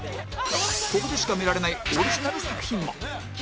ここでしか見られないオリジナル作品も